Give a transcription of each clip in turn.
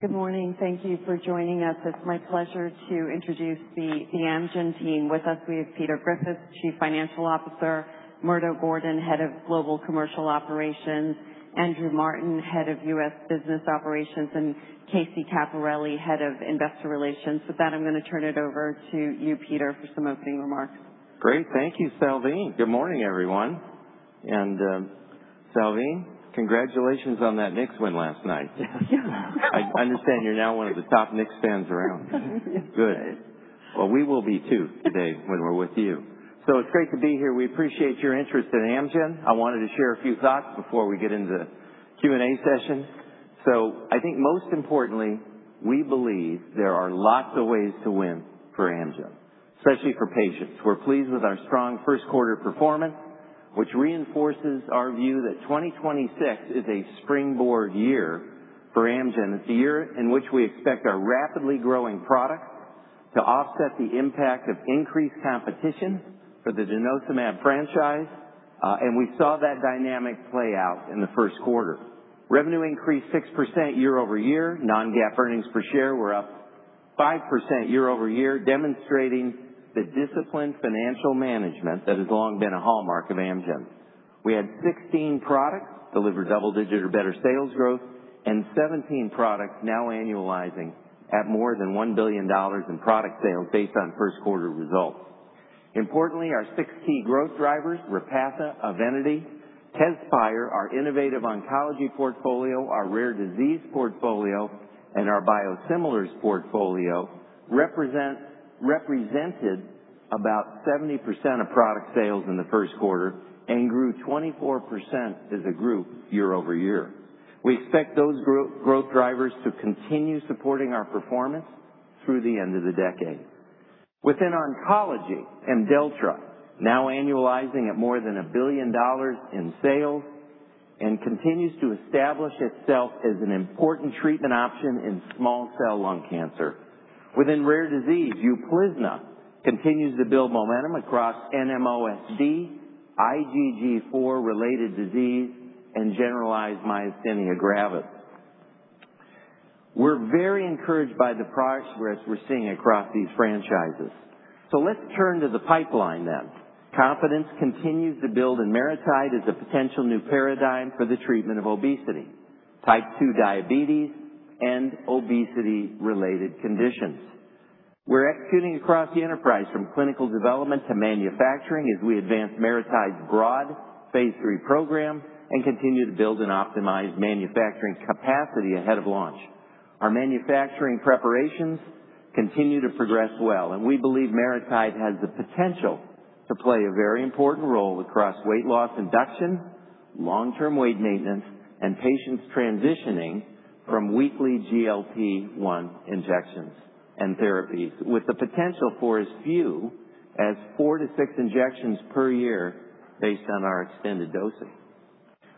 Good morning. Thank you for joining us. It's my pleasure to introduce the Amgen team. With us, we have Peter Griffith, Chief Financial Officer, Murdo Gordon, Head of Global Commercial Operations, Andrew Martin, Head of U.S. Business Operations, and Casey Capparelli, Head of Investor Relations. With that, I'm going to turn it over to you, Peter, for some opening remarks. Great. Thank you, Salveen. Good morning, everyone. Salveen, congratulations on that Knicks win last night. I understand you're now one of the top Knicks fans around. Good. Well, we will be too today when we're with you. It's great to be here. We appreciate your interest in Amgen. I wanted to share a few thoughts before we get into the Q&A session. I think most importantly, we believe there are lots of ways to win for Amgen, especially for patients. We're pleased with our strong first quarter performance, which reinforces our view that 2026 is a springboard year for Amgen. It's a year in which we expect our rapidly growing products to offset the impact of increased competition for the denosumab franchise, and we saw that dynamic play out in the first quarter. Revenue increased 6% year-over-year. Non-GAAP earnings per share were up 5% year-over-year, demonstrating the disciplined financial management that has long been a hallmark of Amgen. We had 16 products deliver double-digit or better sales growth, and 17 products now annualizing at more than $1 billion in product sales based on first quarter results. Importantly, our six key growth drivers, Repatha, EVENITY, TEZSPIRE, our innovative oncology portfolio, our rare disease portfolio, and our biosimilars portfolio, represented about 70% of product sales in the first quarter and grew 24% as a group year-over-year. We expect those growth drivers to continue supporting our performance through the end of the decade. Within oncology, IMDELLTRA now annualizing at more than $1 billion in sales and continues to establish itself as an important treatment option in small cell lung cancer. Within rare disease, UPLIZNA continues to build momentum across NMOSD, IgG4-related disease, and generalized myasthenia gravis. We're very encouraged by the progress we're seeing across these franchises. Let's turn to the pipeline then. Confidence continues to build in MariTide as a potential new paradigm for the treatment of obesity, Type 2 diabetes, and obesity-related conditions. We're executing across the enterprise from clinical development to manufacturing as we advance MariTide's broad phase III program and continue to build and optimize manufacturing capacity ahead of launch. Our manufacturing preparations continue to progress well, and we believe MariTide has the potential to play a very important role across weight loss induction, long-term weight maintenance, and patients transitioning from weekly GLP-1 injections and therapies with the potential for as few as four to six injections per year based on our extended dosing.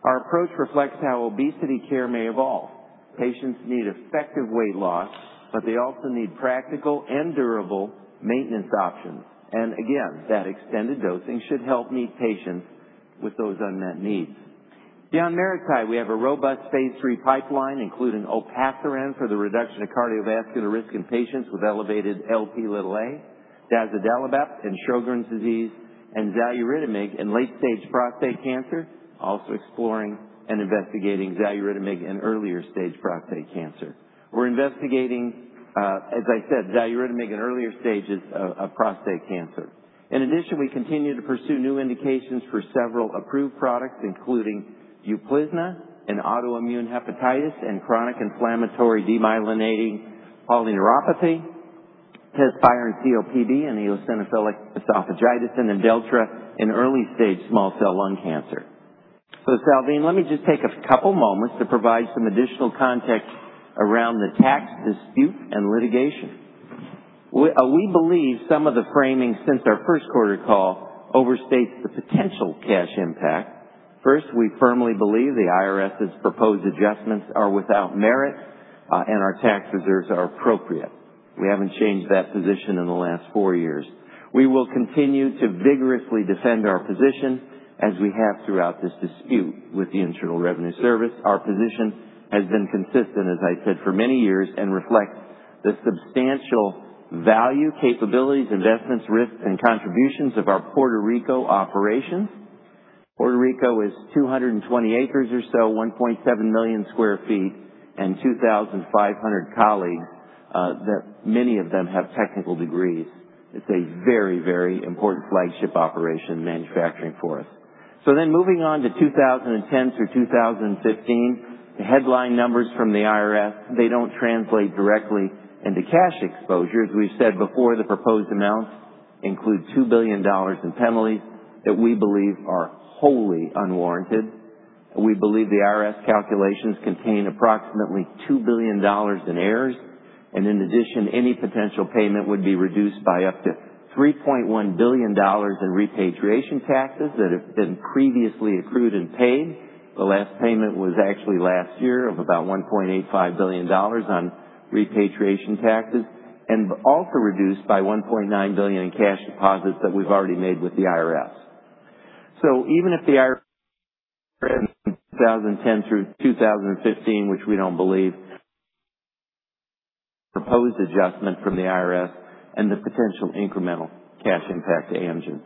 Our approach reflects how obesity care may evolve. Patients need effective weight loss, but they also need practical and durable maintenance options. Again, that extended dosing should help meet patients with those unmet needs. Beyond MariTide, we have a robust phase III pipeline, including olpasiran for the reduction of cardiovascular risk in patients with elevated Lp(a), dazodalibep in Sjögren's disease, and xaluritamig in late-stage prostate cancer. Also exploring and investigating xaluritamig in earlier stage prostate cancer. We're investigating, as I said, xaluritamig in earlier stages of prostate cancer. In addition, we continue to pursue new indications for several approved products, including UPLIZNA in autoimmune hepatitis and chronic inflammatory demyelinating polyneuropathy, TEZSPIRE in COPD and eosinophilic esophagitis, and IMDELLTRA in early stage small cell lung cancer. Salveen, let me just take a couple moments to provide some additional context around the tax dispute and litigation. We believe some of the framing since our first quarter call overstates the potential cash impact. First, we firmly believe the IRS's proposed adjustments are without merit, and our tax reserves are appropriate. We haven't changed that position in the last four years. We will continue to vigorously defend our position as we have throughout this dispute with the Internal Revenue Service. Our position has been consistent, as I said, for many years and reflects the substantial value, capabilities, investments, risks, and contributions of our Puerto Rico operations. Puerto Rico is 220 acres or so, 1.7 million sq ft, and 2,500 colleagues, that many of them have technical degrees. It's a very, very important flagship operation manufacturing for us. Moving on to 2010 through 2015, the headline numbers from the IRS, they don't translate directly into cash exposure. As we've said before, the proposed amounts include $2 billion in penalties that we believe are wholly unwarranted. We believe the IRS calculations contain approximately $2 billion in errors, and in addition, any potential payment would be reduced by up to $3.1 billion in repatriation taxes that have been previously accrued and paid. The last payment was actually last year of about $1.85 billion on repatriation taxes, and also reduced by $1.9 billion in cash deposits that we've already made with the IRS. In 2010 through 2015, which we don't believe. Proposed adjustment from the IRS and the potential incremental cash impact to Amgen.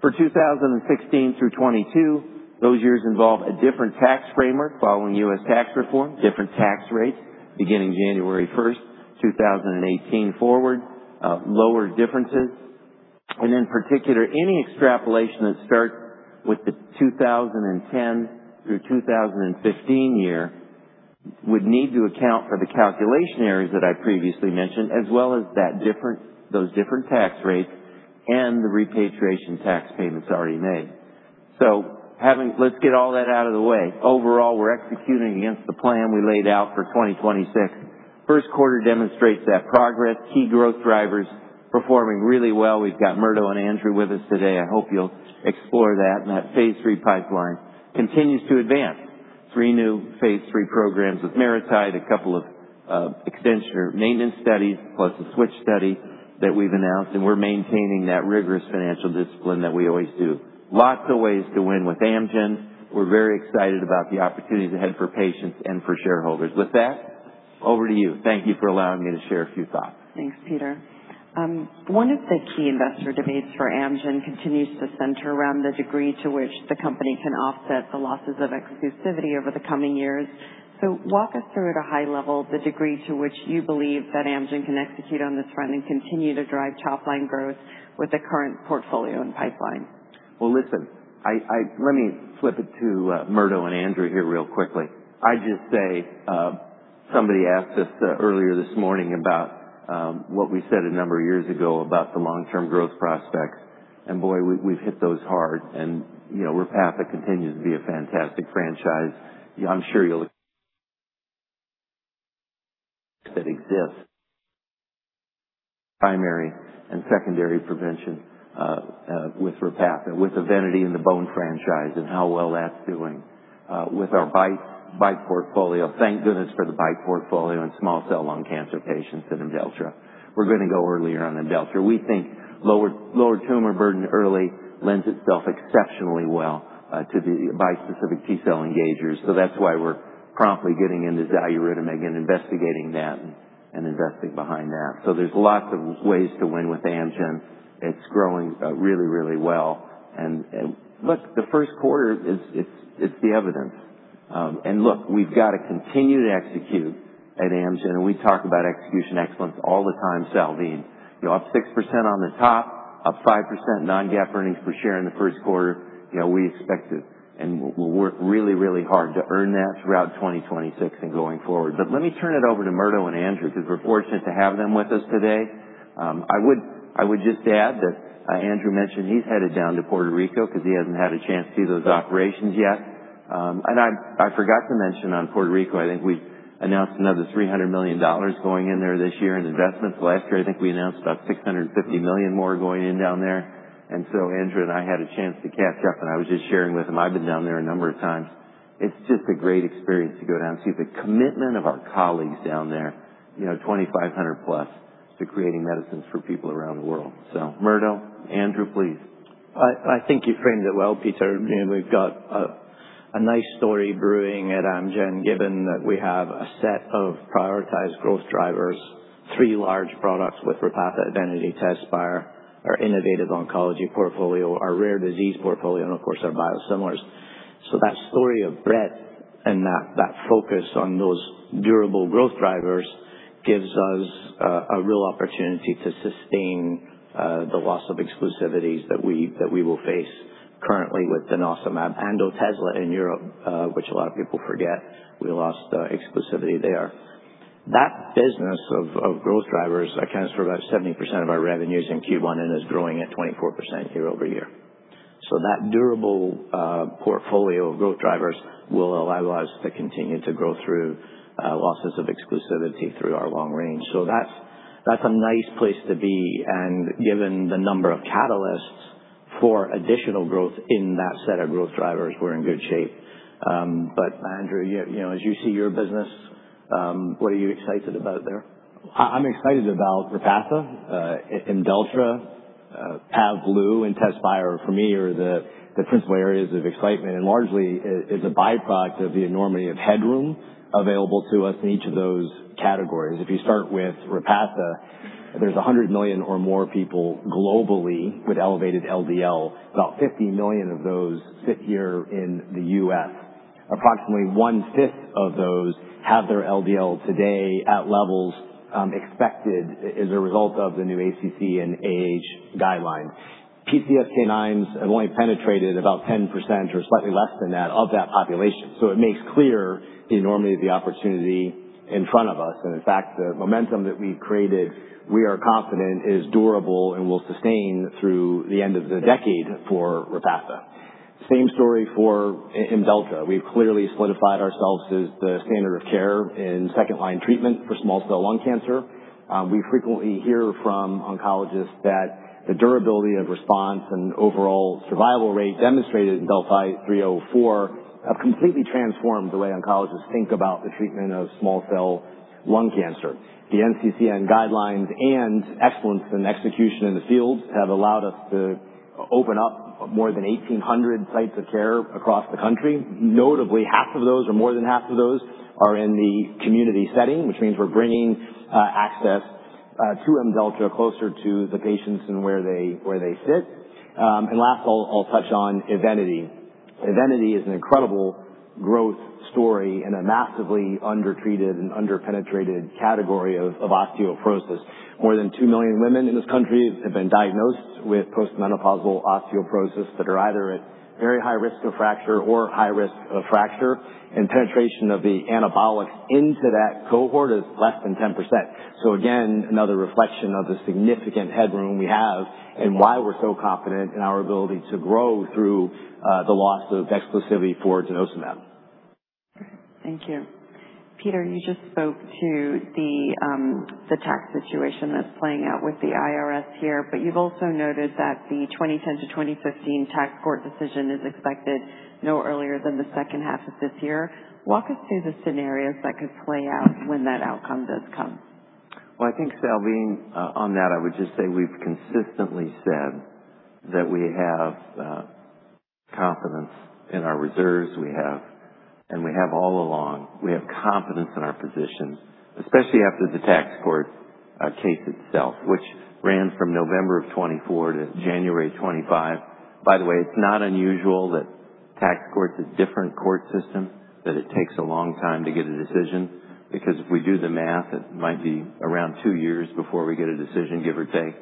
For 2016 through 2022, those years involve a different tax framework following U.S. tax reform, different tax rates beginning January 1, 2018 forward, lower differences. In particular, any extrapolation that starts with the 2010 through 2015 year would need to account for the calculation errors that I previously mentioned, as well as those different tax rates and the repatriation tax payments already made. Let's get all that out of the way. Overall, we're executing against the plan we laid out for 2026. First quarter demonstrates that progress. Key growth drivers performing really well. We've got Murdo and Andrew with us today. I hope you'll explore that. That phase III pipeline continues to advance three new phase III programs with Mirati, a couple of extension or maintenance studies, plus a switch study that we've announced, and we're maintaining that rigorous financial discipline that we always do. Lots of ways to win with Amgen. We're very excited about the opportunities ahead for patients and for shareholders. With that, over to you. Thank you for allowing me to share a few thoughts. Thanks, Peter. One of the key investor debates for Amgen continues to center around the degree to which the company can offset the losses of exclusivity over the coming years. Walk us through, at a high level, the degree to which you believe that Amgen can execute on this front and continue to drive top-line growth with the current portfolio and pipeline. Well, listen, let me flip it to Murdo and Andrew here real quickly. I just say, somebody asked us earlier this morning about what we said a number of years ago about the long-term growth prospects, and boy, we've hit those hard. Repatha continues to be a fantastic franchise. I'm sure you'll that exists. Primary and secondary prevention with Repatha, with EVENITY in the bone franchise and how well that's doing with our BiTE portfolio. Thank goodness for the BiTE portfolio in small cell lung cancer patients in IMDELLTRA. We're going to go earlier on IMDELLTRA. We think lower tumor burden early lends itself exceptionally well to the bispecific T-cell engagers. That's why we're promptly getting into xaluritamig and investigating that and investing behind that. There's lots of ways to win with Amgen. It's growing really, really well. Look, the first quarter is the evidence. Look, we've got to continue to execute at Amgen, and we talk about execution excellence all the time, Salveen. Up 6% on the top, up 5% non-GAAP earnings per share in the first quarter. We expect it and we'll work really, really hard to earn that throughout 2026 and going forward. Let me turn it over to Murdo and Andrew because we're fortunate to have them with us today. I would just add that Andrew mentioned he's headed down to Puerto Rico because he hasn't had a chance to see those operations yet. I forgot to mention on Puerto Rico, I think we announced another $300 million going in there this year in investments. Last year, I think we announced about $650 million more going in down there. Andrew and I had a chance to catch up, and I was just sharing with him, I've been down there a number of times. It's just a great experience to go down and see the commitment of our colleagues down there, 2,500+, to creating medicines for people around the world. Murdo, Andrew, please. I think you framed it well, Peter. We've got a nice story brewing at Amgen, given that we have a set of prioritized growth drivers, three large products with Repatha, EVENITY, TEZSPIRE, our innovative oncology portfolio, our rare disease portfolio, and of course, our biosimilars. That story of breadth and that focus on those durable growth drivers gives us a real opportunity to sustain the loss of exclusivities that we will face currently with cinacalcet and Otezla in Europe which a lot of people forget we lost exclusivity there. That business of growth drivers accounts for about 70% of our revenues in Q1 and is growing at 24% year-over-year. That durable portfolio of growth drivers will allow us to continue to grow through losses of exclusivity through our long range. That's a nice place to be, and given the number of catalysts for additional growth in that set of growth drivers, we're in good shape. Andrew, as you see your business, what are you excited about there? I'm excited about Repatha, IMDELLTRA, PAVBLU, and TEZSPIRE for me are the principal areas of excitement, and largely is a byproduct of the enormity of headroom available to us in each of those categories. If you start with Repatha, there's $100 million or more people globally with elevated LDL. About $50 million of those sit here in the U.S. Approximately one-fifth of those have their LDL today at levels expected as a result of the new ACC and AHA guidelines. PCSK9s have only penetrated about 10% or slightly less than that of that population. It makes clear the enormity of the opportunity in front of us. In fact, the momentum that we've created, we are confident is durable and will sustain through the end of the decade for Repatha. Same story for IMDELLTRA. We've clearly solidified ourselves as the standard of care in second-line treatment for small cell lung cancer. We frequently hear from oncologists that the durability of response and overall survival rate demonstrated in DeLLphi-304 have completely transformed the way oncologists think about the treatment of small cell lung cancer. The NCCN guidelines and excellence in execution in the field have allowed us to open up more than 1,800 sites of care across the country. Notably, half of those, or more than half of those are in the community setting, which means we're bringing access to IMDELLTRA closer to the patients and where they sit. Last, I'll touch on EVENITY. EVENITY is an incredible growth story in a massively undertreated and under-penetrated category of osteoporosis. More than 2 million women in this country have been diagnosed with post-menopausal osteoporosis that are either at very high risk of fracture or high risk of fracture, and penetration of the anabolic into that cohort is less than 10%. Again, another reflection of the significant headroom we have and why we're so confident in our ability to grow through the loss of exclusivity for denosumab. Thank you. Peter, you just spoke to the tax situation that's playing out with the IRS here, you've also noted that the 2010 to 2015 tax court decision is expected no earlier than the second half of this year. Walk us through the scenarios that could play out when that outcome does come. Well, I think, Salveen, on that, I would just say we've consistently said that we have confidence in our reserves, and we have all along. We have confidence in our positions, especially after the tax court case itself, which ran from November of 2024 to January 2025. By the way, it's not unusual that tax courts is different court system, that it takes a long time to get a decision, because if we do the math, it might be around two years before we get a decision, give or take.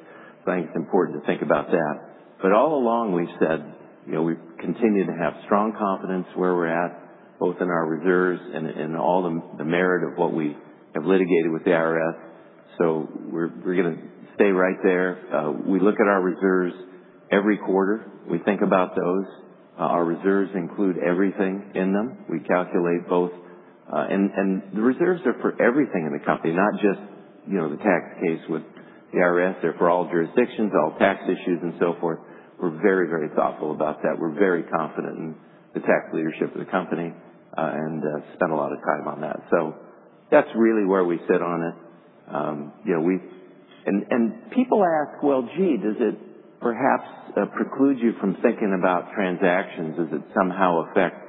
I think it's important to think about that. All along we've said, we continue to have strong confidence where we're at, both in our reserves and in all the merit of what we have litigated with the IRS. We're going to stay right there. We look at our reserves every quarter. We think about those. Our reserves include everything in them. We calculate both. The reserves are for everything in the company, not just the tax case with the IRS. They're for all jurisdictions, all tax issues and so forth. We're very thoughtful about that. We're very confident in the tax leadership of the company, and spent a lot of time on that. That's really where we sit on it. People ask, well, gee, does it perhaps preclude you from thinking about transactions? Does it somehow affect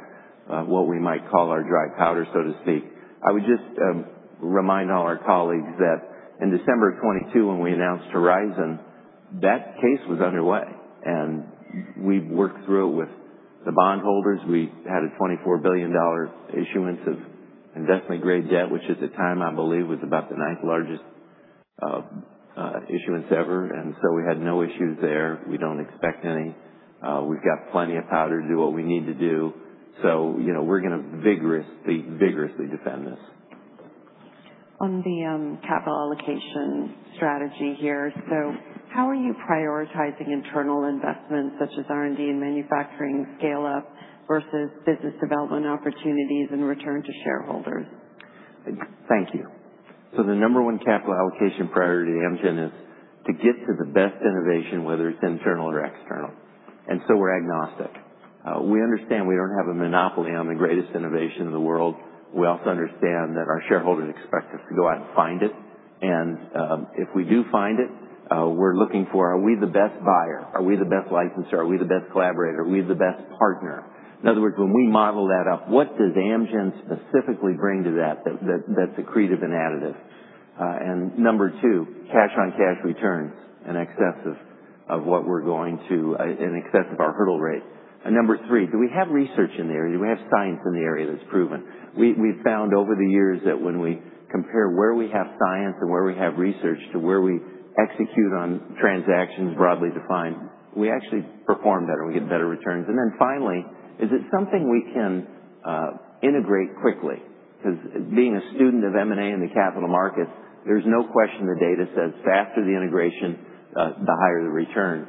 what we might call our dry powder, so to speak? I would just remind all our colleagues that in December of 2022, when we announced Horizon, that case was underway, and we worked through it with the bond holders. We had a $24 billion issuance of investment-grade debt, which at the time, I believe, was about the ninth largest issuance ever. We had no issues there. We don't expect any. We've got plenty of powder to do what we need to do. We're going to vigorously defend this. On the capital allocation strategy here. How are you prioritizing internal investments such as R&D and manufacturing scale-up versus business development opportunities in return to shareholders? Thank you. The number one capital allocation priority at Amgen is to get to the best innovation, whether it's internal or external. We're agnostic. We understand we don't have a monopoly on the greatest innovation in the world. We also understand that our shareholders expect us to go out and find it, and if we do find it, we're looking for are we the best buyer? Are we the best licenser? Are we the best collaborator? Are we the best partner? In other words, when we model that up, what does Amgen specifically bring to that's accretive and additive? Number two, cash on cash returns in excess of our hurdle rates. Number three, do we have research in the area? Do we have science in the area that's proven? We've found over the years that when we compare where we have science and where we have research to where we execute on transactions broadly defined, we actually perform better, and we get better returns. Finally, is it something we can integrate quickly? Because being a student of M&A in the capital markets, there's no question the data says faster the integration, the higher the return.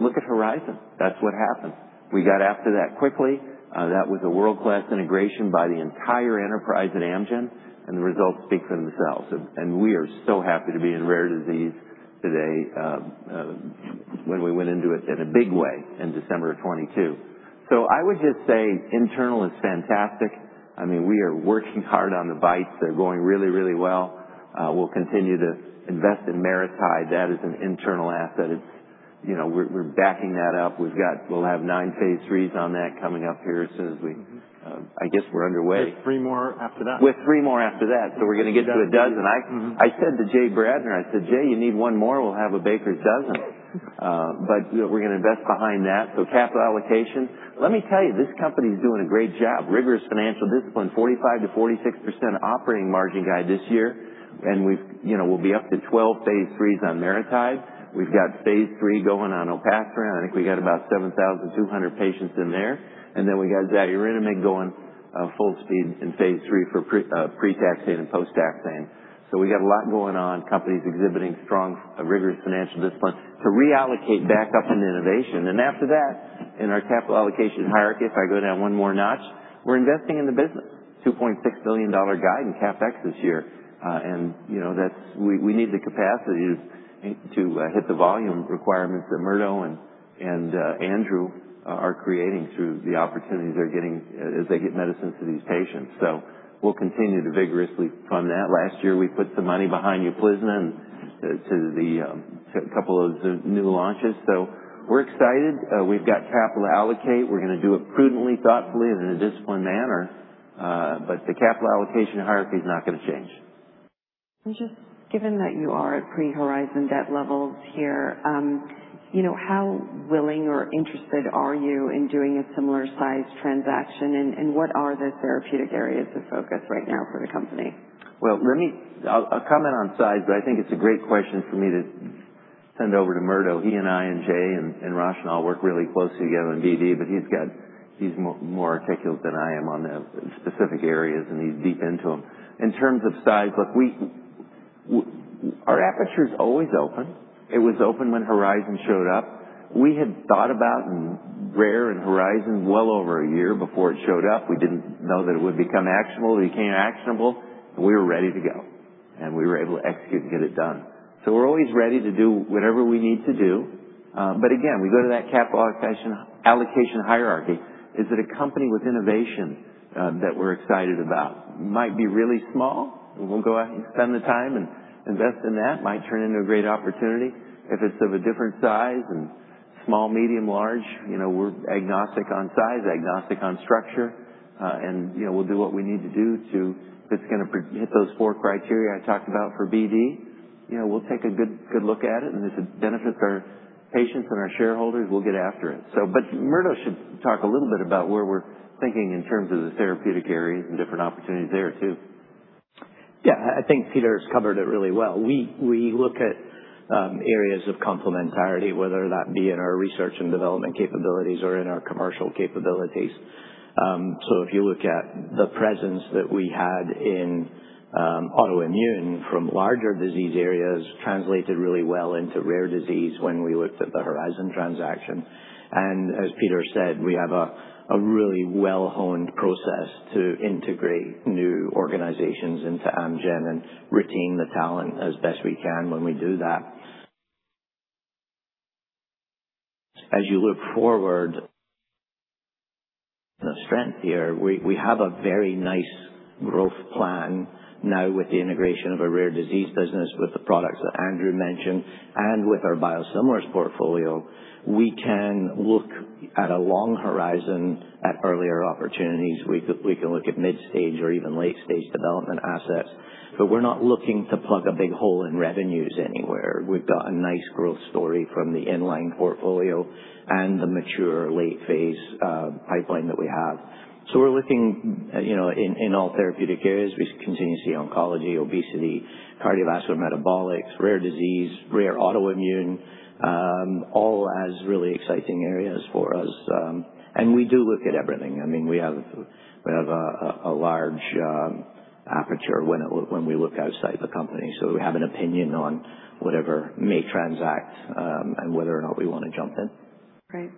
Look at Horizon. That's what happened. We got after that quickly. That was a world-class integration by the entire enterprise at Amgen, and the results speak for themselves. We are so happy to be in rare disease today, when we went into it in a big way in December of 2022. I would just say internal is fantastic. We are working hard on the BiTEs. They're going really well. We'll continue to invest in MariTide. That is an internal asset. We're backing that up. We'll have nine phase IIIs on that coming up here as soon as we're underway. With three more after that. With three more after that. We're going to get to a dozen. I said to Jay Bradner, I said, Jay, you need one more. We'll have a baker's dozen. We're going to invest behind that. Capital allocation. Let me tell you, this company's doing a great job. Rigorous financial discipline, 45%-46% operating margin guide this year, and we'll be up to 12 phase IIIs on MariTide. We've got phase III going on olpasiran. I think we got about 7,200 patients in there. We got xaluritamig going full speed in phase III for pre-taxane and post-taxane. We got a lot going on, companies exhibiting strong, rigorous financial discipline to reallocate back up into innovation. After that, in our capital allocation hierarchy, if I go down one more notch, we're investing in the business. $2.6 billion guide in CapEx this year. We need the capacity to hit the volume requirements that Murdo and Andrew are creating through the opportunities they're getting as they get medicine to these patients. We'll continue to vigorously fund that. Last year, we put some money behind UPLIZNA and to the couple of new launches. We're excited. We've got capital to allocate. We're going to do it prudently, thoughtfully, and in a disciplined manner. The capital allocation hierarchy is not going to change. Just given that you are at pre-Horizon debt levels here, how willing or interested are you in doing a similar size transaction? What are the therapeutic areas of focus right now for the company? Well, I'll comment on size, but I think it's a great question for me to send over to Murdo. He and I and Jay and Rosh and I all work really closely together in BD, he's more articulate than I am on the specific areas, he's deep into them. In terms of size, look, our aperture is always open. It was open when Horizon showed up. We had thought about rare and Horizon well over a year before it showed up. We didn't know that it would become actionable. It became actionable, we were ready to go, we were able to execute and get it done. We're always ready to do whatever we need to do. Again, we go to that capital allocation hierarchy. Is it a company with innovation that we're excited about? Might be really small. We'll go out and spend the time and invest in that. Might turn into a great opportunity. If it's of a different size and small, medium, large, we're agnostic on size, agnostic on structure. We'll do what we need to do if it's going to hit those four criteria I talked about for BD, we'll take a good look at it, if it benefits our patients and our shareholders, we'll get after it. Murdo should talk a little bit about where we're thinking in terms of the therapeutic areas and different opportunities there, too. I think Peter's covered it really well. We look at areas of complementarity, whether that be in our research and development capabilities or in our commercial capabilities. If you look at the presence that we had in autoimmune from larger disease areas translated really well into rare disease when we looked at the Horizon transaction. As Peter said, we have a really well-honed process to integrate new organizations into Amgen and retain the talent as best we can when we do that. As you look forward, the strength here, we have a very nice growth plan now with the integration of a rare disease business with the products that Andrew mentioned and with our biosimilars portfolio. We can look at a long horizon at earlier opportunities. We can look at mid-stage or even late-stage development assets. We're not looking to plug a big hole in revenues anywhere. We've got a nice growth story from the in-line portfolio and the mature late-phase pipeline that we have. We're looking in all therapeutic areas. We continue to see oncology, obesity, cardiovascular metabolics, rare disease, rare autoimmune, all as really exciting areas for us. We do look at everything. We have a large aperture when we look outside the company. We have an opinion on whatever may transact and whether or not we want to jump in. Great.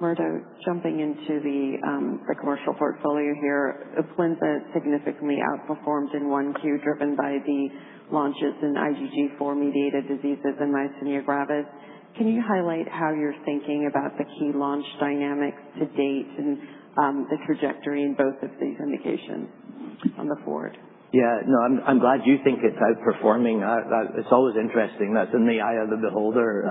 Murdo, jumping into the commercial portfolio here. UPLIZNA significantly outperformed in 1Q, driven by the launches in IgG4-mediated diseases and myasthenia gravis. Can you highlight how you're thinking about the key launch dynamics to date and the trajectory in both of these indications on the forward? I'm glad you think it's outperforming. It's always interesting. That's in the eye of the beholder.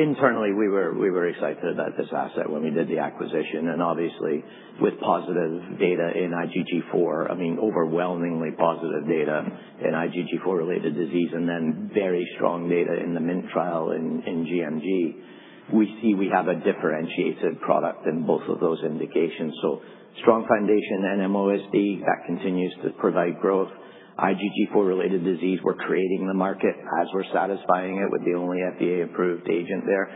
Internally, we were excited about this asset when we did the acquisition, and obviously with positive data in IgG4, overwhelmingly positive data in IgG4-related disease, and then very strong data in the MINT trial in GMG. We see we have a differentiated product in both of those indications. Strong foundation in NMOSD, that continues to provide growth. IgG4-related disease, we're creating the market as we're satisfying it with the only FDA-approved agent there.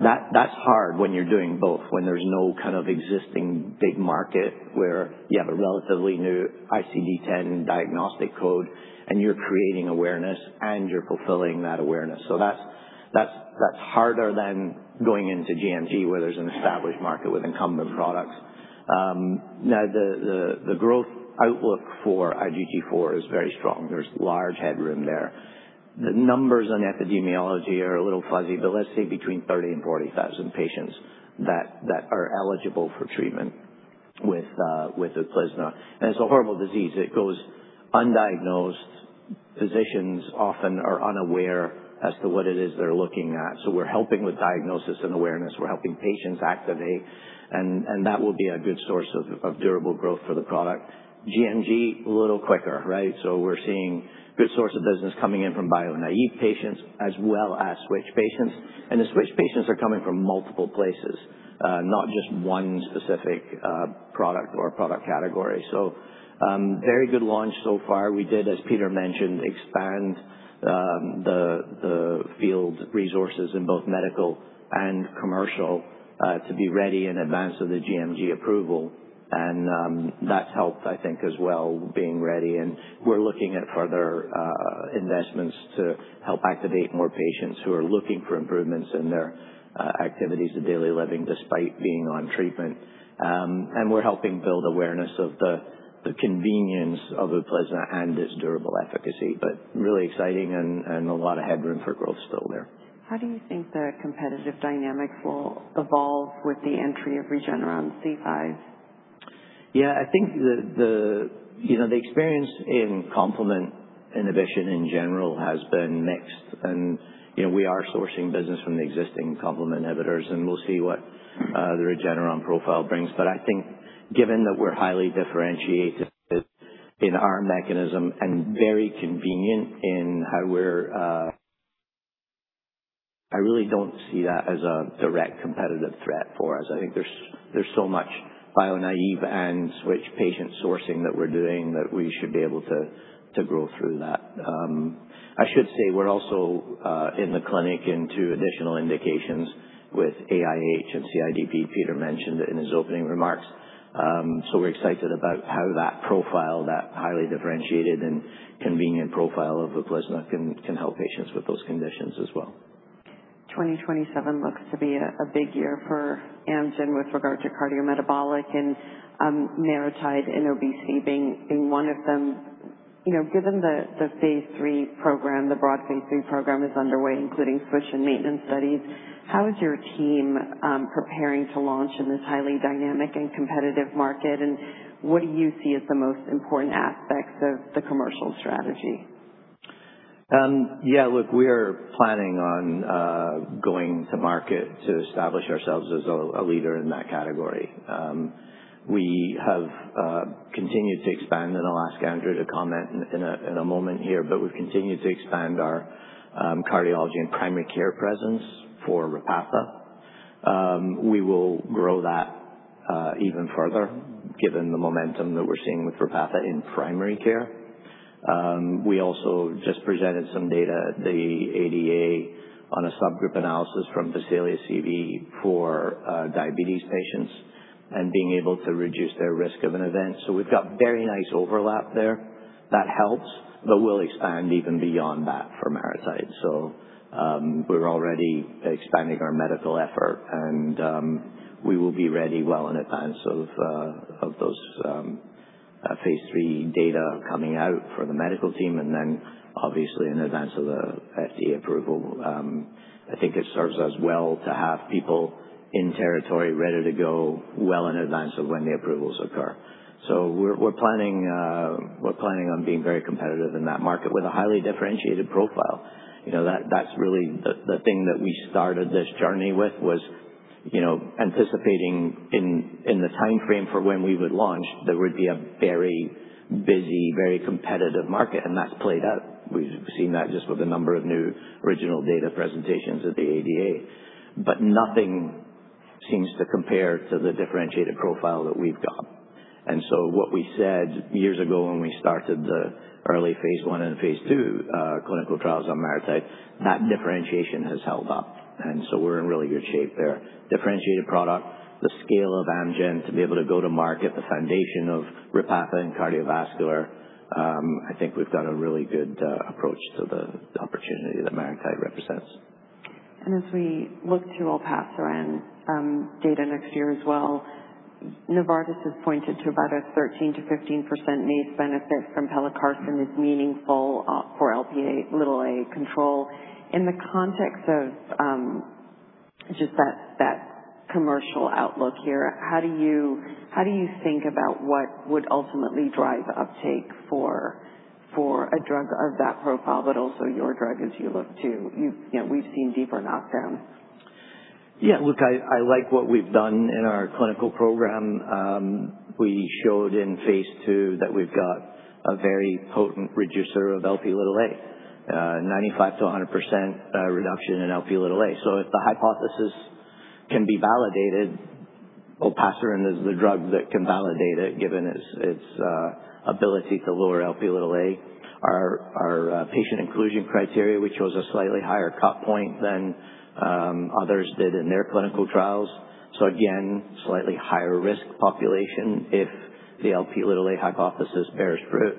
That's hard when you're doing both, when there's no kind of existing big market where you have a relatively new ICD-10 diagnostic code, and you're creating awareness, and you're fulfilling that awareness. That's harder than going into GMG, where there's an established market with incumbent products. The growth outlook for IgG4 is very strong. There's large headroom there. The numbers on epidemiology are a little fuzzy, but let's say between 30,000 and 40,000 patients that are eligible for treatment with UPLIZNA. It's a horrible disease. It goes undiagnosed. Physicians often are unaware as to what it is they're looking at. We're helping with diagnosis and awareness. We're helping patients activate, and that will be a good source of durable growth for the product. GMG, a little quicker, right? We're seeing good source of business coming in from bio-naive patients as well as switch patients. The switch patients are coming from multiple places, not just one specific product or product category. Very good launch so far. We did, as Peter mentioned, expand the field resources in both medical and commercial to be ready in advance of the GMG approval. That's helped, I think, as well, being ready. We're looking at further investments to help activate more patients who are looking for improvements in their activities of daily living, despite being on treatment. We're helping build awareness of the convenience of UPLIZNA and its durable efficacy. Really exciting and a lot of headroom for growth still there. How do you think the competitive dynamics will evolve with the entry of Regeneron C5? I think the experience in complement inhibition in general has been mixed. We are sourcing business from the existing complement inhibitors, and we'll see what the Regeneron profile brings. I think given that we're highly differentiated in our mechanism and very convenient in how I really don't see that as a direct competitive threat for us. I think there's so much bio-naive and switch patient sourcing that we're doing that we should be able to grow through that. I should say we're also in the clinic in two additional indications with AIH and CIDP. Peter mentioned it in his opening remarks. We're excited about how that profile, that highly differentiated and convenient profile of UPLIZNA, can help patients with those conditions as well. 2027 looks to be a big year for Amgen with regard to cardiometabolic and MariTide and Obesity being one of them. Given the broad phase III program is underway, including switch and maintenance studies, how is your team preparing to launch in this highly dynamic and competitive market? What do you see as the most important aspects of the commercial strategy? Yeah. Look, we are planning on going to market to establish ourselves as a leader in that category. We have continued to expand, and I'll ask Andrew to comment in a moment here, but we've continued to expand our cardiology and primary care presence for Repatha. We will grow that even further given the momentum that we're seeing with Repatha in primary care. We also just presented some data at the ADA on a subgroup analysis from [VASCEPA] for diabetes patients and being able to reduce their risk of an event. We've got very nice overlap there. That helps, but we'll expand even beyond that for MariTide. We're already expanding our medical effort, and we will be ready well in advance of those phase III data coming out for the medical team, and then obviously in advance of the FDA approval. I think it serves us well to have people in territory ready to go well in advance of when the approvals occur. We're planning on being very competitive in that market with a highly differentiated profile. That's really the thing that we started this journey with was anticipating in the timeframe for when we would launch, there would be a very busy, very competitive market, and that's played out. We've seen that just with a number of new original data presentations at the ADA. Nothing seems to compare to the differentiated profile that we've got. What we said years ago when we started the early phase I and phase II clinical trials on MariTide, that differentiation has held up, we're in really good shape there. Differentiated product, the scale of Amgen to be able to go to market, the foundation of Repatha and cardiovascular. I think we've done a really good approach to the opportunity that MariTide represents. As we look to olpasiran data next year as well, Novartis has pointed to about a 13%-15% MACE benefit from pelacarsen as meaningful for Lp(a) control. In the context of just that commercial outlook here, how do you think about what would ultimately drive uptake for a drug of that profile, but also your drug as you look to? We've seen deeper knockdown. Yeah. Look, I like what we've done in our clinical program. We showed in phase II that we've got a very potent reducer of Lp(a). 95%-100% reduction in Lp(a). If the hypothesis can be validated, olpasiran is the drug that can validate it given its ability to lower Lp(a). Our patient inclusion criteria, we chose a slightly higher cut point than others did in their clinical trials. Again, slightly higher risk population if the Lp(a) hypothesis bears fruit.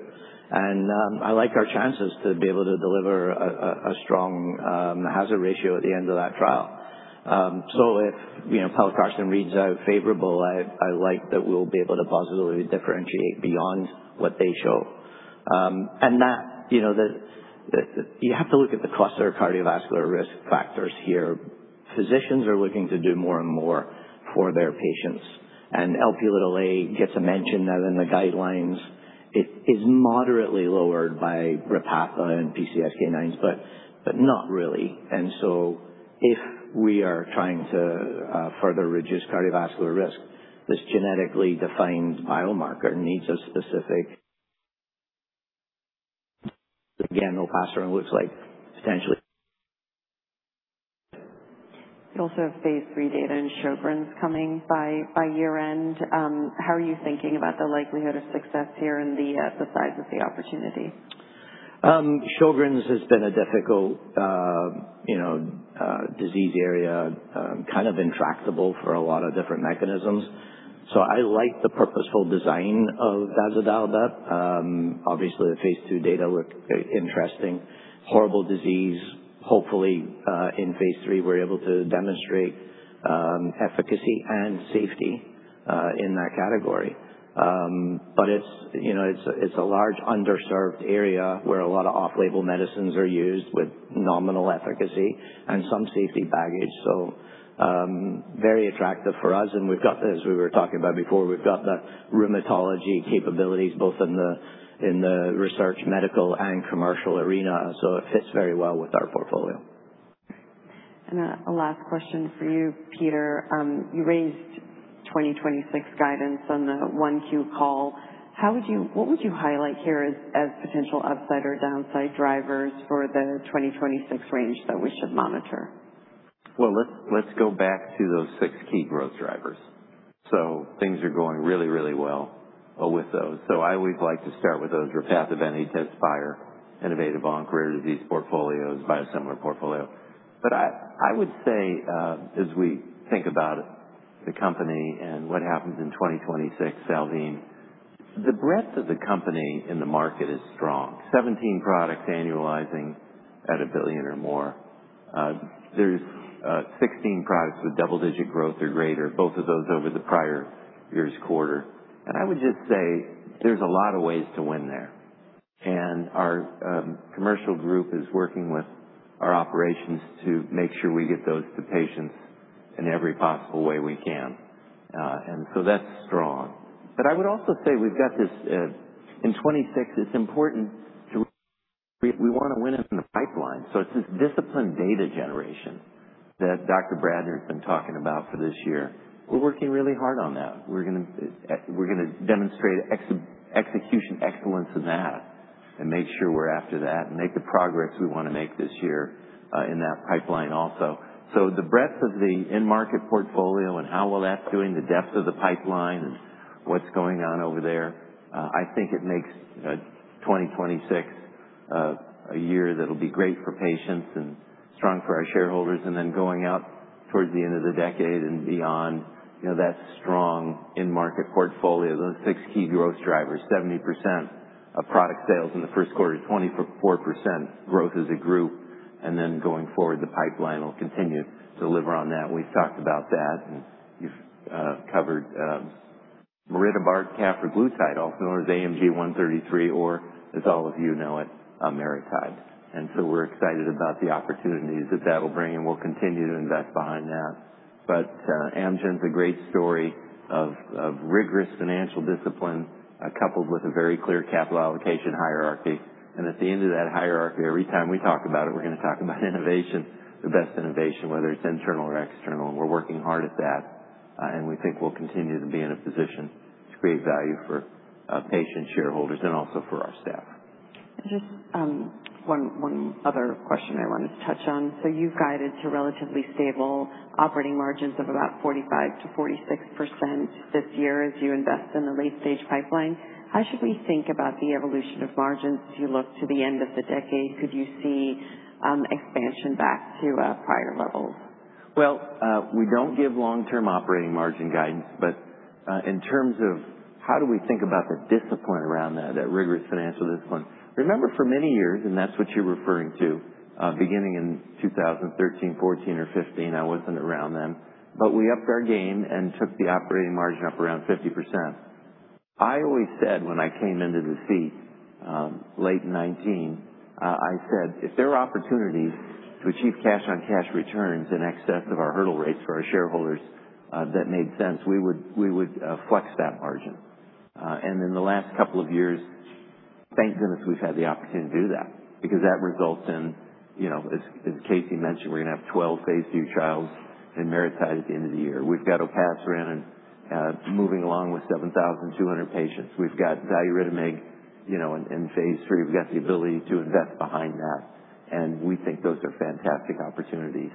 I like our chances to be able to deliver a strong hazard ratio at the end of that trial. If pelacarsen reads out favorable, I like that we'll be able to positively differentiate beyond what they show. That you have to look at the cluster of cardiovascular risk factors here. Physicians are looking to do more and more for their patients, Lp(a) gets a mention now in the guidelines. It is moderately lowered by Repatha and PCSK9s, but not really. If we are trying to further reduce cardiovascular risk, this genetically defined biomarker needs a specific. Again, olpasiran looks like potentially. You also have phase III data in Sjögren's coming by year-end. How are you thinking about the likelihood of success here and the size of the opportunity? Sjögren's has been a difficult disease area, kind of intractable for a lot of different mechanisms. I like the purposeful design of dazodalibep. Obviously, the phase II data looked interesting. Horrible disease. Hopefully, in phase III we're able to demonstrate efficacy and safety in that category. It's a large underserved area where a lot of off-label medicines are used with nominal efficacy and some safety baggage. Very attractive for us, as we were talking about before, we've got the rheumatology capabilities both in the research medical and commercial arena. It fits very well with our portfolio. A last question for you, Peter. You raised 2026 guidance on the 1Q call. What would you highlight here as potential upside or downside drivers for the 2026 range that we should monitor? Let's go back to those six key growth drivers. Things are going really well with those. I always like to start with those Repatha, EVENITY, TEZSPIRE, innovative oncology disease portfolios, biosimilar portfolio. I would say, as we think about the company and what happens in 2026, Salveen, the breadth of the company in the market is strong. 17 products annualizing at $1 billion or more. There's 16 products with double-digit growth or greater, both of those over the prior year's quarter. I would just say there's a lot of ways to win there. Our commercial group is working with our operations to make sure we get those to patients in every possible way we can. That's strong. I would also say we've got this, in 2026 We want to win it in the pipeline. It's this disciplined data generation that Dr. Bradner's been talking about for this year. We're working really hard on that. We're going to demonstrate execution excellence in that and make sure we're after that and make the progress we want to make this year in that pipeline also. The breadth of the in-market portfolio and how well that's doing, the depth of the pipeline and what's going on over there, I think it makes 2026 a year that'll be great for patients and strong for our shareholders. Then going out towards the end of the decade and beyond, that strong in-market portfolio, those six key growth drivers, 70% of product sales in the first quarter, 24% growth as a group, then going forward the pipeline will continue to deliver on that. We've talked about that and you've covered maridebart cafraglutide, also known as AMG 133, or as all of you know it, MariTide. We are excited about the opportunities that that will bring, and we'll continue to invest behind that. Amgen's a great story of rigorous financial discipline coupled with a very clear capital allocation hierarchy. At the end of that hierarchy, every time we talk about it, we're going to talk about innovation, the best innovation, whether it's internal or external, and we're working hard at that. We think we'll continue to be in a position to create value for patient shareholders and also for our staff. Just one other question I wanted to touch on. You've guided to relatively stable operating margins of about 45%-46% this year as you invest in the late-stage pipeline. How should we think about the evolution of margins as you look to the end of the decade? Could you see expansion back to prior levels? Well, we don't give long-term operating margin guidance, but in terms of how do we think about the discipline around that rigorous financial discipline. Remember, for many years, and that's what you're referring to, beginning in 2013, 2014 or 2015, I wasn't around then, but we upped our game and took the operating margin up around 50%. I always said when I came into this seat, late in 2019, I said if there are opportunities to achieve cash-on-cash returns in excess of our hurdle rates for our shareholders that made sense we would flex that margin. In the last couple of years, thank goodness we've had the opportunity to do that because that results in, as Casey mentioned, we're going to have 12 phase III trials in MariTide at the end of the year. We've got olpasiran moving along with 7,200 patients. We've got xaluritamig in phase III. We've got the ability to invest behind that, and we think those are fantastic opportunities.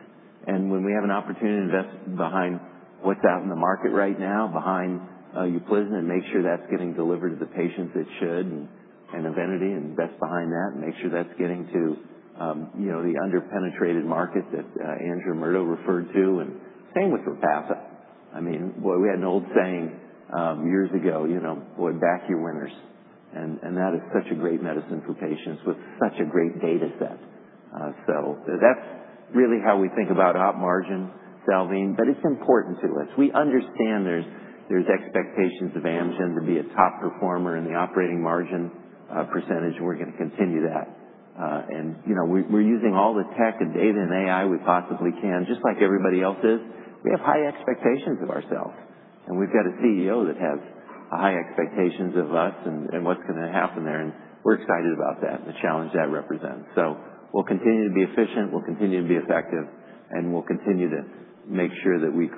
When we have an opportunity to invest behind what's out in the market right now, behind UPLIZNA and make sure that's getting delivered to the patients it should and EVENITY and invest behind that and make sure that's getting to the under-penetrated markets that Andrew, Murdo referred to. Same with Repatha. We had an old saying years ago, boy, back your winners. That is such a great medicine for patients with such a great data set. That's really how we think about op margins, Salveen, It's important to us. We understand there's expectations of Amgen to be a top performer in the operating margin percentage, and we're going to continue that. We are using all the tech and data and AI we possibly can, just like everybody else is. We have high expectations of ourselves. We've got a CEO that has high expectations of us and what's going to happen there. We're excited about that and the challenge that represents. We'll continue to be efficient, we'll continue to be effective, and we'll continue to make sure that we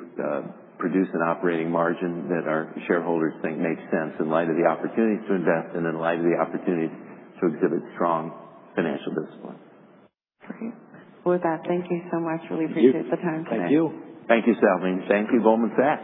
produce an operating margin that our shareholders think makes sense in light of the opportunities to invest and in light of the opportunities to exhibit strong financial discipline. Great. With that, thank you so much. Really appreciate the time today. Thank you. Thank you, Salveen. Thank you, Goldman Sachs.